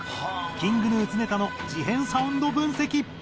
ＫｉｎｇＧｎｕ常田の事変サウンド分析。